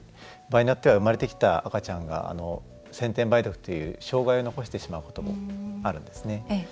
場合によっては生まれてきた赤ちゃんが先天梅毒という障害を残してしまうこともあるんですね。